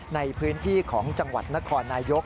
ในพื้นที่ของจังหวัดนครนายก